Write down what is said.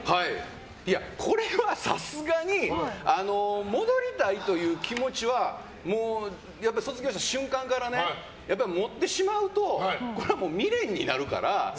これは、さすがに戻りたいという気持ちはもう卒業した瞬間からやっぱり持ってしまうと未練になるから。